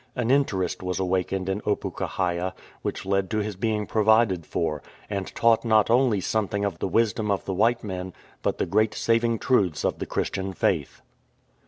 An interest was awakened in Opukahaia, which led to his being provided for, and taught not only something of the wisdom of the white men, but the great saving truths of the Christian faith.